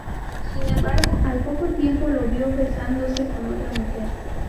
Sin embargo, al poco tiempo lo vio besándose con otra mujer.